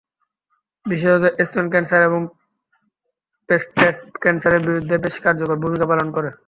বিশেষত স্তন ক্যানসার এবং প্রস্টেট ক্যানসারের বিরুদ্ধে বেশ কার্যকর ভূমিকা পালন করে।